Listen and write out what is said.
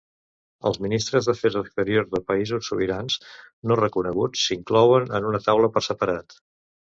Els ministres d'Afers Exteriors de països sobirans no reconeguts s'inclouen en una taula per separat.